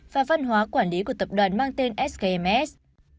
và văn hóa quản lý của tập đoàn mang tên skms